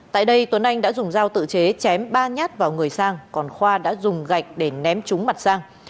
tại đây tuấn anh đã dùng dao tự chế chém ba nhát vào người sang còn khoa đã dùng gạch để ném trúng mặt sang